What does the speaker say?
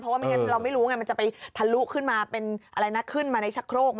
เพราะว่าเราไม่รู้ว่ามันจะไปทะลุขึ้นมาเป็นอะไรนะขึ้นมาในชักโครก